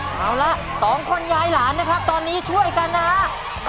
เอาละสองคนยายหลานนะครับตอนนี้ช่วยกันนะครับ